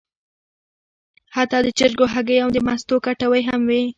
حتی د چرګو هګۍ او د مستو کټوۍ هم وې.